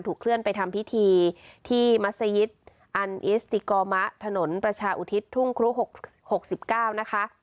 เคลื่อนไปทำพิธีที่มัศยิตอันอิสติกอมะถนนประชาอุทิศทุ่งครุ๖๙นะคะ